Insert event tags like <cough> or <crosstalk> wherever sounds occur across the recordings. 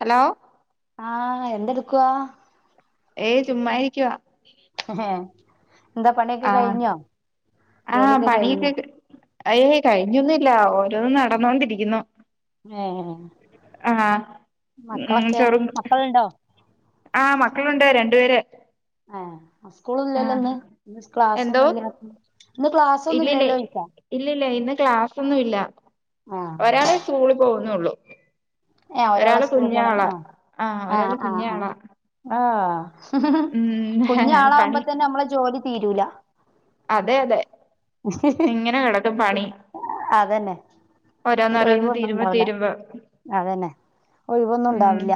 Hello ആഹ് എന്തെടുക്കവാ ഏയ് ചുമ് ഇരിക്കുവ എന്താ പണിയൊക്കെ ആഹ് കഴിഞ്ഞോ ആഹ് ജോലിയൊക്കെ കഴിഞ്ഞോ പണിയൊക്കെ ഏയ് കഴിഞ്ഞൊന്നുമില്ല ഓരോന്നും നടന്നോണ്ടിരിക്കുന്നു ഏഹ് ആഹ് ഉം മക്കളൊക്കെ ചെറുന്നു മക്കളുണ്ടോ ആഹ് മക്കളുണ്ട് രണ്ടുപേര് ആഹ് സ്കൂള് ആഹ് ഇല്ലല്ലോ ഇന്ന് ക്ലാസ് എന്തോ ഒന്നും ഇല്ല ഇന്ന് ക്ലാസ് ഒന്നും ഇല്ലല്ലോഴ്ക്ക ഇല്ല ഇല്ല ഇന്ന് ക്ലാസൊന്നും ഇല്ല ആഹ് ഒരാളെ സ്കൂളിൽ പോകുന്നുള്ളു ഏഹ് ഒരാളാ ഒരാള് സ്കൂള് കുഞ്ഞ് പോണെ ആളാ ആഹ് ആഹ് ഒരാള് കുഞ്ഞ് ആഹ് ആളാ ആഹ് ആഹ് കുഞ്ഞ് പണി ആളാവുമ്പോ തന്നെ നമ്മളെ ജോലി തീരൂല അതെ അതെ ഇങ്ങനെ കിടക്കും പണി അതന്നെ ഒരു ഓരോന്നോരോന്ന് ഒഴിവൊന്നും തീരുമ്പോ ഇണ്ടാവില്ല തീരുമ്പോ അതന്നെ ഒഴിവൊന്നും ഉണ്ടാവില്ല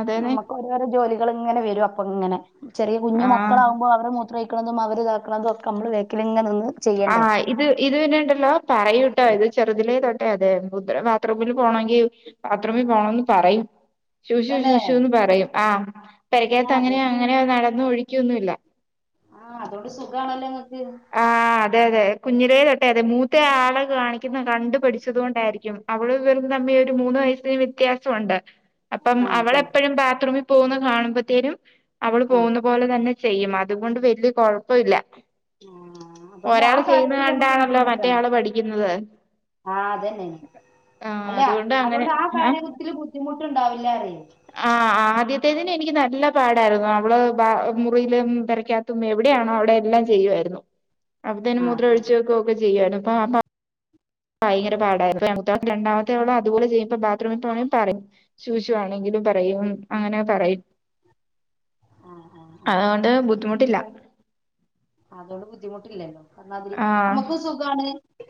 അതെന്നെ അന്നേരം ജോലികൾ ഇങ്ങനെ വെരും അപ്പ ഇങ്ങനെ ചെറിയ കുഞ്ഞ് ആഹ് മക്കളാകുമ്പോ അവര് മു ത്ര ഒഴിക്കുന്നതും അവരിതാക്ക്‌ണതും ഒക്ക നമ്മള് ബേക്കിലിങ്ങനെ നിന്ന് ചെയ്യണ്ടേ ആഹ് ഇത് ഇതിന്നിണ്ടല്ലോ പറയൂട്ടോ ഇത് ചെറുതിലെ തോ അതെ അതെ മുദ്ര ബാത്റൂമിൽ പോകണോങ്കിൽ ബാത്റൂമിൽ പോണംന്ന് പറയും ശുഷു തന്നെ ശുഷുന്ന് പറയും ആഹ് ആ പെരക്കേത്ത് അത് അങ്ങനെയോ അങ്ങനെയ നടന്നു ഒഴിക്കുവൊന്നുംല്ല ആഹ് അതോണ്ട് സുഖാണല്ലോ ങ്ങക്ക് ആഹ് അതെ അതെ കുഞ്ഞിരേ തൊട്ടെ അതെ മൂത്ത ആളെ കാണിക്കുന്ന കണ്ടുപഠിച്ചത് കൊണ്ടായിരിക്കും അവളുംവിള് ഇവെരും തമ്മി ഒരു മൂന്ന് വയസ്സിന് വ്യത്യാസുണ്ട് അപ്പം ആ ആ അവളെപ്പഴും ബാത്റൂമിൽ പോകുന്ന കാണുമ്പത്തേനും അവള് ആ പോകുന്ന പോലെ തന്നെ ചെയ്യും അതുകൊണ്ട് വല്യ കൊഴപ്പ ഇല്ല ആഹ് അതോണ്ട് ആ ഒരാള് ചെയ്യുന്ന കാര്യത്തിൽ നമുക്ക് കണ്ടാണല്ലോ ബുദ്ധിമുട്ടണ്ട മറ്റേയാള് പഠിക്കുന്നത് ആഹ് അതന്നെ ആ അല്ല അതുകൊണ്ട് അങ്ങനെ അതോണ്ട് ആ കാര്യത്തില് ബുദ്ധിമുട്ടുണ്ടാവില്ല പറിയേ ആഹ് ആദ്യത്തേതിന് എനിക്ക് നല്ല പാടായിരുന്നു അവള് ബാ മുറിയിലും പെരക്കാ ത്തും എവിടെയാണോ അവിടെ എല്ലാം ചെയ്യുവായിരുന്നു <inaudible> അപ്പത്തന് ആ മുത്ര ആ ഒഴിച്ചു വെക്കുവ ഒക്കെ ചെയ്യായിരുന്നു ഇപ്പ അപ്പ ഭയങ്കര പാടായിരുന്നു <unintelligible> രണ്ടാമത്തേ ഓളും അതുപലെ ചെയ്യുമ്പ ബാത്റൂമിൽ പോണേ പറയും സൂ സൂ വാണെങ്കിലും പറയും അങ്ങനെ പറയും <inaudible> ആ ആ ആ അതോണ്ട് ബുദ്ധിമുട്ടില്ല അതോണ്ട് ബുദ്ധിമുട്ടില്ലല്ലോ പർഞ്ഞാതിരി ആ നമ്മുക്ക് സുഖാണ്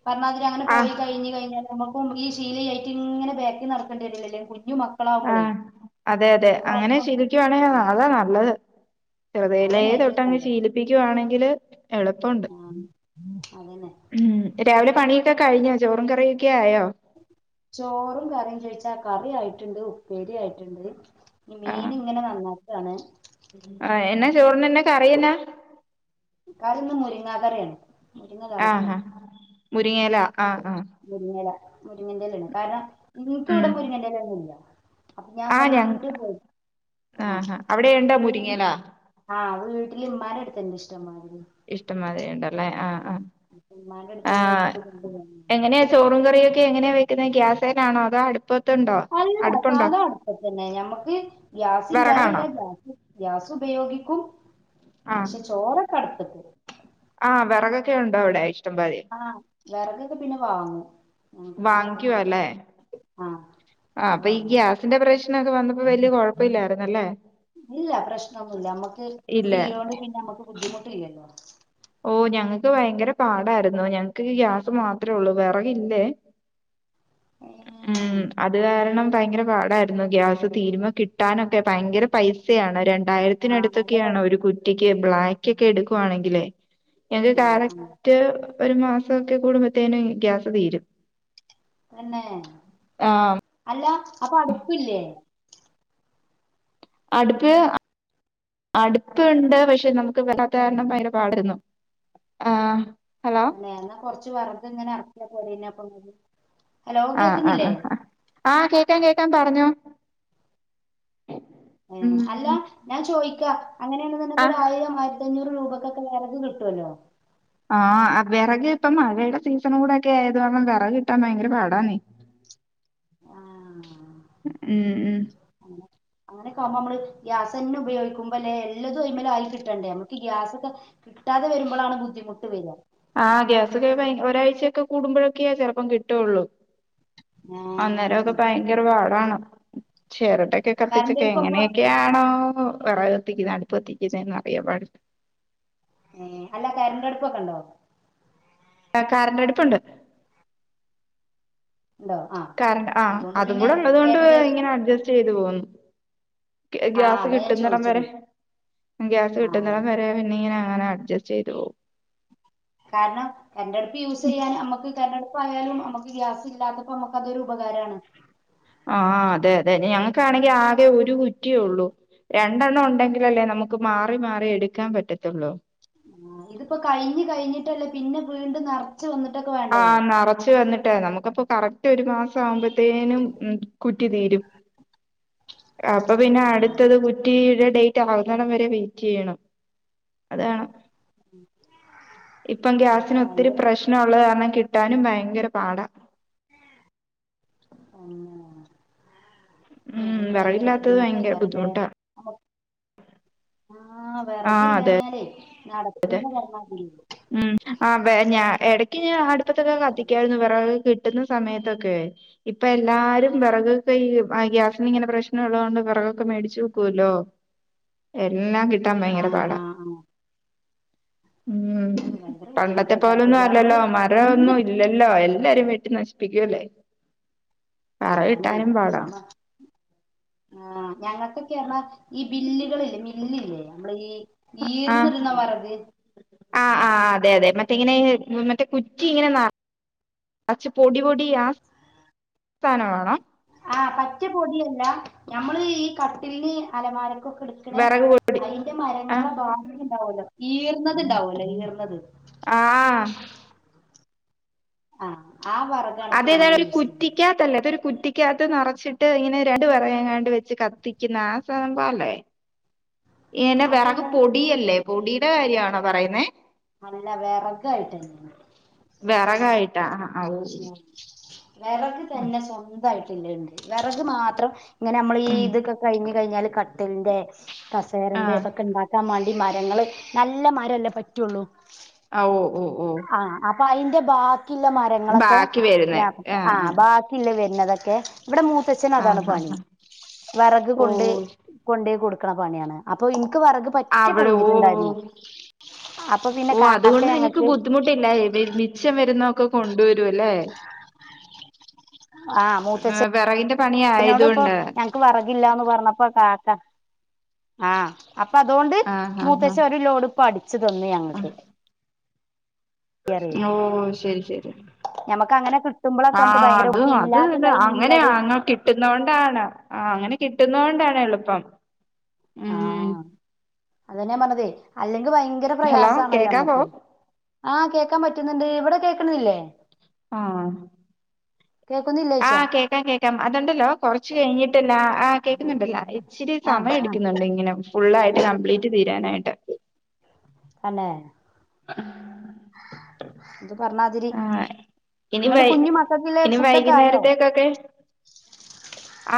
പർന്നാതിരി അങ്ങനെ ആ പോയി കഴിഞ്ഞ് കഴിഞ്ഞാ <unintelligible> ഇപ്പം ഈ ശിലയില്ലേറ്റ് ഇങ്ങനെ ബാക്കി നടക്കേണ്ടിവരല്ലെ കുഞ്ഞു മ ആഹ് അതെ അതെ അങ്ങനെ ശീലി ക്കുവാണെങ്കില് ഉം അതാ നല്ലത് ചെറുതിലെ അതന്നെ ഏറ്റവും തൊട്ട് അങ് നല്ലത് ശീലി പ്പിക്കുവാണെങ്കില് എളുപ്പണ്ട് ആഹ് അതന്നെ ഉം രാവിലെ പണിയൊക്കെ കഴിഞ്ഞോ ചോറും കറിയൊക്കെ ആയോ? ചോറും കറിയും ചോദിച്ചാ കറി ആയിട്ടുണ്ട് ഉപ്പേരി ആയിട്ടുണ്ട് മീൻ ആഹ് ഇങ്ങനെ നന്നാക്കാണ് ആഹ് എന്നാ ചോറിന് എന്നെക്കറിയെന്നാ കറിയിന്നു മുരിങ്ങാക്കറിയാണ് ആഹ് ആഹ് മുരിങ്ങിയല ആഹ് ആഹ് മുരിങ്ങയെല മുരിങ്ങന്റെല കാരണം ഇൻക്ക് ഇവടെ ഉം മുരിങ്ങന്റെല ഒന്നും ഇല്ല അപ്പൊ ഞാൻ ആഹ് ഇന്നലെ ഞ വീട്ടിൽ പോയി ആഹ് അവിടെ ഉണ്ടോ വീട്ടിൽ മുരിങ്ങയെലാ ആഹ് വീട്ടില് ഇമ്മാന്റെടുത്തുണ്ട് ഇഷ്ടംമാതിരി ഇഷ്ടംമാതിരിയുണ്ടല്ലേ ആഹ് ആഹ് ആഹ് ഉം എങ്ങനാ ചോറും കറിയൊക്കെ എങ്ങനെയ വെക്കുന്നത് ഗ്യാസേലാണോ അതോ അ പ്പത്തെണ്ടോ അല്ല സാധാ അടുപ്പത്തന്നെ നമ്മക്ക് ഗ്യാസ് ഇല്ലായി വെറകാണോ അല്ല ഗ്യാസ് ഗ്യാസ് ഉപയോഗിക്കും ആഹ് പക്ഷെ ചോറ നടത്ത്ക്ക്‌ ആഹ് വിറകൊക്കെ ഉണ്ടോ അവിടെ ഇഷ്ടംമാതിരി ആഹ് വെറകൊക്കെ പിന്നെ വാങ്ങും ആഹ് ഇല്ലാത്തപ്പോ വാങ്ങിക്കുവാ അല്ലേ <unintelligible> ആഹ് ആഹ് ഞങ്ങള് അപ്പഈ വാങ്ങും ഗ്യാസിന്റെ പ്രശ്‌നൊക്കെ വന്നപ്പോ വെല്യേ കൊയപ്പല്യർന്നല്ലേ ഇല്ല പ്രശ്നൊന്നുല്ല അമ്മക്ക് ഇല്ല ഇതില്ലോണ്ട് പിന്നെ അമ്മക്ക് ബുദ്ധിമുട്ടില്ലല്ലോ ഓ ഞങ്ങൾക്ക് ഭയങ്കര പാടായിരുന്നു ഞങ്ങക്ക് ഗ്യാസ് മാത്രേ ഉള്ളൂ വെറകില്ലേ ഏഹ് ഉം അത് കാരണം ഭയങ്കര പാടായിരുന്നു ഗ്യാസ് തീരുമ്പകിട്ടാനൊക്കെ ഭയങ്കര പൈസയാണ് ആഹ് നല്ല പൈ രണ്ടായിരത്തിനടുത്തൊക്കെയാണ് ഒരു കു റ്റിക്ക് ബ്ലാക്ക് ഒക്കെ എടുക്കുവാണെങ്കില് ഞങ്ങക്ക് ആഹ് ആഹ് കറക്റ്റ് ഒരു മാസൊക്കെ കൂടുമ്പത്തേനും ഗ്യാസ് തീരും തന്നെ ആ അല്ല അപ്പൊ അടുപ്പില്ലേ അട്പ്പ് അടുപ്പുണ്ട് പക്ഷെ നമുക്ക് വല്ലാത്ത കാരണം ഭയങ്കര പാടാരുന്നു ആഹ് ഹലോ തന്നെ എന്നാ കൊറച്ച് വെറെക് ഇങ്ങനെ എറക്കിയ പോരേയ്നോ അപ്പൊ ങ്ങക്ക് ഹലോ കേക്ക്‌ന്നില്ലേ ആഹ് കേക്കാം കേക്കാം പറഞ്ഞോ ഏഹ് അല്ല ഉം ഞാൻ ചോയിക്കാ ആ അങ്ങനേണ്ന്ന്ണ്ടെങ്ങി ഒരായിരം <unintelligible> പത്തഞ്ഞൂറ് രൂപക്കൊക്കെ വെറക് കിട്ടൊല്ലോ ആഹ് വെറക് ഇപ്പം മഴയുടെ സീസണും കൂടെ ഒക്കെ ആയത് കാരണം വെറക് കിട്ടാൻ ഭയങ്കര പാടാന്നേ <inaudible> ഉം ഉം അങ്ങനാ അങ്ങനെക്കാവുംമ്പമ്മള് ഗ്യാസെന്നെ ഉപയോഗിക്കുമ്പൊല്ലേ എല്ലതും അയ്മ്മെലായി കിട്ടണ്ടേ നമുക്ക് ഗ്യാസൊക്കെ കിട്ടാതെ വെര്മ്പളാണ് ബുദ്ധിമുട്ട് വെരാ ആഹ് ഗ്യാസൊക്കെ കയിഞ്ഞ് ഒരാഴ്ചയൊക്കെ കൂടുമ്പോഴൊക്കെയാ ചെലപ്പം കിട്ടൊള്ളൂ ആഹ് അന്നേരവൊക്കെ ഭയങ്കര പാടാണ് ചെരട്ടെക്കെ കറണ്ട് കത്തിച്ചക്കെ അടുപ്പൊക്കെ എങ്ങനെയൊക്കെയാണോ വിറകത്തിക്കുന്നത് അടുപ്പ് കത്തിക്കുന്നെന്നറിയാവോ അട് ഏഹ് അല്ല കര്ന്റട്പ്പൊക്കെണ്ടോ ആഹ് കറന്റട്പ്പുണ്ട് ഇണ്ടോ ആഹ് കർ ആഹ് അതുകൊണ്ട് അതും പിന്നെ കൂടെ ഉള്ളതോണ്ട് ഏകദേശം ഇങ്ങനെ അഡ്ജസ്റ്റെയ്‌ത്‌ പോവുന്നു ഗ്യാ ആഹ് ഗ്യാസ് അതാ ഞാൻ കിട്ടുന്നടം ചോദിച്ചത് വരെ ഉം ഗ്യാസ് ആഹ് കിട്ടുന്നടം വരെ പിന്നിങ്ങനെ അങ്ങനെ അഡ്ജസ്റ്റെയ്‌ത്‌ പോവും കാരണം കര്ന്റട്പ്പ് യൂസ്യ്യാൻ അമ്മക്ക് കര്ന്റട്പ്പായലും നമ്മക്ക് ഗ്യാസ് ഇല്ലാത്തപ്പോ മ്മക്ക് അതൊരു ഉപകാരാണ് ആഹ് അതെ അതെ ഞങ്ങക്കാണെങ്കി ആകെ ഒരു കുറ്റിയേ ഉള്ളൂ രണ്ടെണ്ണം ഉണ്ടെങ്കിലല്ലേ നമ്മക്ക് മാറി മാറി എടുക്കാൻ പറ്റത്തൊള്ളൂ ആഹ് ഇതിപ്പോ കഴിഞ്ഞ് കഴിഞ്ഞിട്ടല്ലേ പിന്നെ വീണ്ടും നെറ ച്ച് വന്നിട്ടൊക്കെ വ ആഹ് നെറച്ച് വന്ന്ട്ട് വേണം നമുക്കപ്പൊ കറക്റ്റ് ഒരു മാസം ആവുമ്പത്തേനും ഉം കുറ്റി തീരും അപ്പൊ പിന്നെ ആ, അട്ത്തൊരു കുറ്റിടെ ഡേ റ്റ് ആവുന്നടം വരേ വെയിറ്റ്യ്യണം അതാണ് ഇപ്പം ഓ, ഗ്യാസിന് ഒത്തിരി ഭയങ്കര പ്രശ്നം ഉള്ള കാരണം കിട്ടാനും ഭയങ്കര പാടാ തന്നേ ഉം അതോണ്ട് ഭയങ്കര വെറകില്ലാത്തത് ഭയങ്കര ബുദ്ധിമുട്ടെയ്ക്കാരം ല്ലേ ബുദ്ധിമുട്ടാ നമക് ആഹ് വെറകില്ലാഞ്ഞാലേയ് പറ്റെ ഉം ആഹ് വെ ഞാ എടക്ക് ഞ അടുപ്പത്തൊക്കെ കത്തിക്കായിരുന്നു വെ വെറക് കിട്ടുന്ന സമയത്തൊക്കെയ് ഇപ്പൊ എല്ലാരും വെറകൊക്കെ ഈ ആ ഗ്യാസിന് ഇങ്ങനെ പ്രശ്നം ഉള്ളോണ്ട് വിറകൊക്കെ മേടിച്ചു വെക്കുവല്ലോ എല്ലാം കിട്ടാൻ ഭയങ്കര ആഹ് ആഹ് പാടാ ആഹ് ഉം അത് ഭയങ്കര പണ്ടത്തെ ബുദ്ധിമുട്ടായിക്കാരത്തെ പോലൊന്നും അല്ലല്ലോ നമ്മള് എന്ത് മരമൊന്നും ഇല്ല ല്ലല്ലോ എല്ലാരും വെട്ടി നശിപ്പിക്കൂല്ലേ വെറെകിട്ടാനും പാടാ ആഹ ഞങ്ങൾക്കൊക്കെറഞ്ഞാ ഈ ബില്ലുകളില്ലേ മില്ലില്ലേ നമ്മടെ ഈ അ ആഹ് ഈർന്നിടുന്ന വെറക് ആഹ് ആഹ് അതെ അതെ മറ്റെ ഇങ്ങനെ ഈ മറ്റേ കുറ്റി ഇങ്ങനെ ന അച്ച് പൊടിപൊടി ആ സ്ഥാനമാണോ ആഹ് മറ്റ് പൊടിയല്ല ഞമ്മള് ഈ കട്ടിലിന് അലമാര ക്കൊക്കെ എടുക്കണേ വിറക് പൊടി അയിന്റെ ആഹ് മരങ്ങളെ ബാക്കി ഉണ്ടാവല്ലോ ഈർന്നത്ണ്ടാവുമല്ലോ ഈർന്നത് ആഹ് ആഹ് ആ പറ അതുതേപോലെ കുറ്റിക്കാ തല്ലേ അതൊരു കുറ്റിക്കാത്ത് നിറച്ചിട്ട് ഇങ്ങനെ രണ്ട് വേറെകങ്ങാണ്ട് വെച്ച് കത്തിക്കുന്ന ആ സംഭവല്ലേ എനെ വെറക് അതന്നെ പൊടിയല്ലേ പൊടിയുടെ കാര്യാണോ പറയുന്നേ അല്ല വെറെകായിട്ട് തന്നെയാണ് വിറകായിട്ടാ ആഹ് ഓ ഉം വിറക് തന്നെ സ്വന്തായിട്ടില്ലെണ്ട് വിറക് മാത്രം ഇങ്ങനെ അമ്മളീ ഉം ഇതൊക്കെ കഴിഞ്ഞ് കഴിഞ്ഞാൽ കട്ടിൽന്റെ കസേരന്റെ ആഹ് ഇതൊക്കെ ഇണ്ടാ ക്കാൻ മാണ്ടി മരങ്ങള് നല്ല മരല്ലേ പറ്റുള്ളൂ ആഹ് ഓഹ് ഓഹ് ഓഹ് ആഹ് അപ്പ അയിന്റെ ബാക്കിള്ള മരങ്ങളൊക്കെ ബാക്കി വരുന്ന ഞാ ആഹ് ബാ ഇല്ല വരുന്നതൊക്കെ ഇവിടെ മൂത്തച്ഛന് അതാണ് ആഹ് ആഹ് പണി ആഹ് വിറക് ഓ കൊണ്ട് കൊണ്ടോയി കൊടുക്കണാ പണിയാണ് അപ്പൊ ഇൻക്ക് വിറക് പറ്റ അവിടെ ഓ കഴിഞ്ഞിട്ടുണ്ടായിരുന്നു അപ്പൊ പിന്നെ കാക്ക ഞങ്ങൾക്ക് ബുദ്ധിമുട്ടില്ലായെ <unintelligible> മിച്ചം വരുന്ന ഒക്ക കൊണ്ടുവരു അല്ലെ. വെറകിൻ്റെ ന്നോട്ട് ഇപ്പൊ ഞങ്ങക്ക് വെറകില്ലാന്ന് പർഞ്ഞപ്പോ കാക്ക ആഹ് അപ്പൊ അതോണ്ട് ആഹ് ആഹ് മൂത്തച്ഛൻ ഒരു ലോഡ് ഇപ്പോ അടിച്ച് തന്നു ഞങ്ങക്ക് ഓഹ് ശരി ശരി ഞമ്മക്ക് അങ്ങനെ കിട്ടുമ്പോഴൊക്കെ നമുക്ക് ആഹ് ഭയങ്കര അത് അത് അത് ഇല്ലാത്ത എന്താ ടൈമിങ്ങിൽ അങ്ങനെയാ അത് അങ്ങോട്ടി കിട്ടുന്ന കൊണ്ടാണ് ആഹ് അങ്ങനെ കിട്ടുന്ന കൊണ്ടാണ് എളുപ്പം ഉം അതന്നെയാ പറഞ്ഞതേ അല്ലെങ്കിൽ ഭയങ്കര ഹലോ പ്രയാസാണല്ലോ കേക്കാവോ നമ്മക്ക് ആഹ് കേക്കാൻ പറ്റുന്നുണ്ട് ഇവിടെ കേൾക്കണില്ലേ ആഹ് കേൾക്കുന്നില്ലേ യ്ച്ച ഇപ്പേം കേൾക്കാം അത്ണ്ടല്ലോ കുറച്ച് കഴിഞ്ഞിട്ടല്ല ആഹ് കേൾക്കുന്നുണ്ടല്ലോ ഇച്ചിരി ആഹ് സമയം ആഹ് എട്ക്ക്ന്ന്ണ്ട് ഇങ്ങനെ ഫുള്ളായിട്ട് കംപ്ലീറ്റ് തീരാനായിട്ട് അന്നെ ആഹ് ഇത് പർണാതിരി ഇനി വൈ ഇനി ഫുഡൊക്കെ ആയോ വൈകുന്നേരത്തേക്കൊക്കെ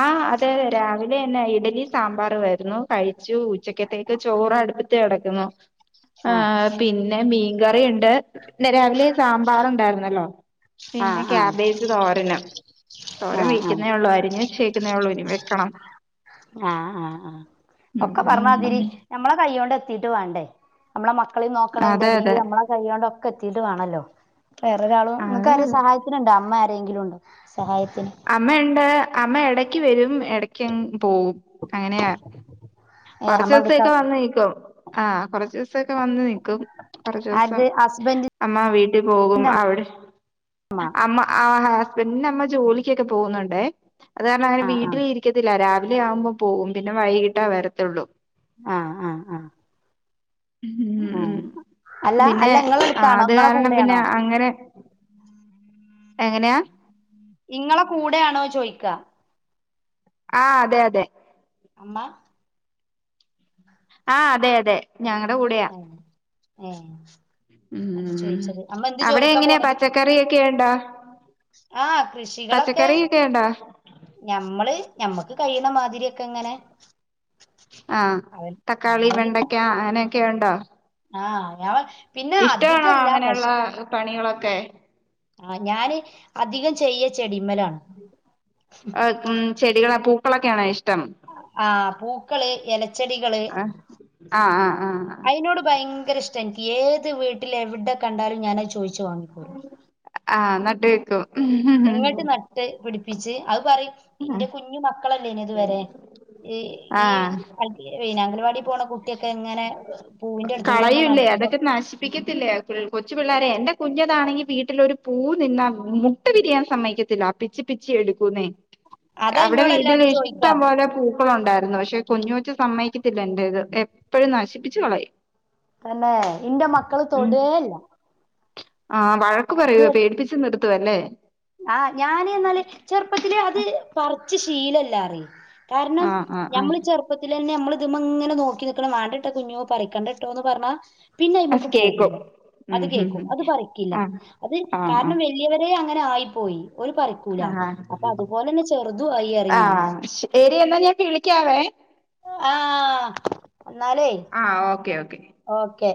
ആഹ് അതെ രാവിലെന്നെ ഇഡലി സാമ്പാറുവായിരുന്നു കഴി ച്ചു ഉച്ചക്കത്തേക്ക് ചോറ് അടുപ്പത്ത് കെടക്കുന്നു ആഹ് പിന്നെ മീൻകറിയിണ്ട് ന്നെ രാവിലെ സാമ്പാറുണ്ടായിരുന്നല്ലോ പിന്നെ ആഹ് ആഹ് ക്യാബേജ് തോരനും തോരം ആഹ് ആഹ് വക്കുന്നേ ഒള്ളു അരിഞ്ഞ് വെച്ചേക്കു ന്നെള്ളു ഇനി വെക്കണം ആഹ് ആഹ് ആഹ് ഒക്കെ പറ്ഞ്ഞാതിരി ഉം ഞമ്മളെ കയ്യോണ്ട് എത്തീട്ട് വാണ്ടെ അമ്മളെ മക്കളിം നോക്കണം അതെ അയിന്റെടീല് അതെ നമ്മളെ കയ്യോണ്ട് ഒക്കെ എത്തീട്ട് വാണല്ലോ വേറെരാളും ഇങ്ങക്ക് അതെ ആരും അതെ സഹായത്തിനുണ്ടോ അമ്മ ആരെങ്കിലും ഉണ്ടോ സഹായത്തിന് അമ്മയുണ്ട് അമ്മ എടക്ക് വരും ഇടക്കങ്ങ് പോവും. അങ്ങനെയാ ഏഹ് അമ്മ എവിടുക്കാ കൊർച്ചൂസോക്കെ വന്ന് നിക്കും ആഹ കൊർച്ചൂസൊക്കെ വന്ന് നിക്കും കൊർച്ചൂസം ആര്ത് ഹസ്ബൻഡ് അമ്മ വീട്ടി പോകും അവിടെ അമ്മ ആ ഹസ്ബൻഡ്ന്റമ്മ ജോലി ക്ക്യക്കെ പോവുന്നുണ്ട് അത് കാരണം അങ്ങനെ ആഹ് വീട്ടില് ഇരിക്കത്തില്ല രാവിലെ ആവുമ്പോ പോവും പിന്നെ വൈകിട്ടാ വരത്തൊള്ളൂ ആഹ് ആഹ് ആഹ് ഉം ഉം ആഹ് അല്ല പിന്നെ അല്ല ഇങ്ങളെ അടുത്താണോ അത് ഇങ്ങളെ കാരണം പിന്നെ കൂടെയാണോ അങ്ങനെ എങ്ങനെയാ ഇങ്ങളെ കൂടേണോ ചോയിക്കാ ആഹ് അതെ അതെ അമ്മ ആഹ് അതെ അതെ ഞങ്ങടെ കൂടെയാ ആഹ് ഏ അതാ ചോയിച്ചത് അമ്മ എന്ത് ജോലിക്കാ പോണത് ക്കറിയൊക്കെ ഉണ്ടാ ആഹ് കൃഷികളൊക്കെ പച്ചക്കറിയൊക്കെ ഉണ്ടാ ഞമ്മള് ഞമ്മക്ക് കഴിയ്ണ മാതിരിയൊക്കെ ഇങ്ങനെ ആഹ് അവൻ തക്കാളി വെണ്ടയ്ക്ക അങ്ങനെയൊക്കെ ഉണ്ടോ ആഹ് ഞാ ഇഷ്ടാണോ അങ്ങനെയുള്ള പണികളൊക്കെ ആഹ് ഞാന് അധികം ചെയ്യ ചെടിമ്മലാണ് ഉം ചെടികളെ പൂക്കളക്കെയാണെ ഇ്ഷ് ആഹ് പൂക്കള് എലച്ചെടികള് ആഹ് ആഹ് ആഹ് ആഹ് അയിനോട് ഭയങ്കര ഇഷ് ട്ട ഇൻക്ക് ഏത് വീട്ടില് എവിടെ കണ്ടാലും ഞാനത് ചോയ്ച്ച് വാങ്ങിപ്പോരും ആഹ് നട്ട് വെക്കും എങ്ങട്ട് നട്ട് പിടിപ്പിച്ച് അഅ് പറിം ഇന്റെ കുഞ്ഞു മക്കളല്ലേനിയൊ ഇത് വരെ ഈ ഈ ആഹ് വൈനാ അംഗല വാടി പോണ കുട്ടിയൊക്കെ ഇങ്ങനെ പൂവിന്റെ അടുത്ത് കൂടെ ഇങ്ങനെ കളയുല്ലേ നടക്കുമ്പോ അതൊക്കെ നശി പ്പിക്കത്തില്ലേ കൊച്ചു പിള്ളേരെ എന്റെ കുഞ്ഞതാണെങ്കി വീട്ടിലൊരു പൂ നിന്നാ മു ട്ട് വിരിയാൻ സമ്മയ്ക്കത്തില്ല പിച്ചിപിച്ചി എടുക്കൂന്നേ അതാ അവിടെ എന്നോട് വീട്ടില് എല്ലാരും ചോദിക്കാ ഇഷ്ടംപോലെ പൂ ക്കളുണ്ടായിരുന്നു പഷെ കുഞ്ഞ് കൊച്ച് സമ്മയ്ക്കത്തില്ല എന്റെത് എപ്പഴും നശിപ്പിച്ച് കളയും തന്നെ ഇന്റെ മക്കള് ഉം തൊടേല്ല. ആഹ് വഴക്ക് പറയുവ പേടിപ്പിച്ച് നിർത്തുവല്ലേ. ആഹ് ഞാന് എന്നാല് ചെറുപ്പത്തിലെ അത് പറച്ച് ശീലല്ലാ അറി. കാര്ണം ആഹ് ആഹ് ആഹ് ഞമ്മള് ചെർ പ്പത്തിലെന്നെ നമ്മള്ത് മ്മങ്ങനെ നോക്കി നിക്കണം വേണ്ടട്ട കുഞ്ഞോ പറിക്കേണ്ടട്ടോന്ന് പർഞ്ഞാ. പിന്നെ അത് ഐമക്ക് പോകൂല കേക്കും അത് ഉം ഹും കേക്കും ഹും അത് പറിക്കില്ല ആഹ് അത് ആഹ് കാര്ണം വൽ. ല്ല്യവരെ അങ്ങനെ ആയി പോയി ഓൽ പറിക്കൂല ആഹ് ആഹ് അപ്പൊ അതുപോലെന്നെ ചെറുതും ആയിയറിം ഞാന്. എടി എന്നാ ഞാൻ വിളിക്കാവേ. ആഹ് എന്നാലേ. ആഹ് ഓക്കേ ഓക്കേ. ഓക്കേ.